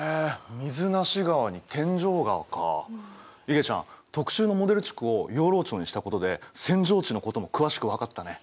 いげちゃん特集のモデル地区を養老町にしたことで扇状地のことも詳しく分かったね。